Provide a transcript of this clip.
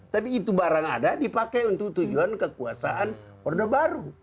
tapi itu barang ada dipakai untuk tujuan kekuasaan orde baru